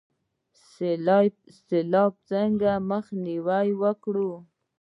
سیلاب څنګه مخنیوی کړو؟